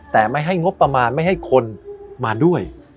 แต่ไม่ให้งบประมาณไม่ให้คนมาด้วย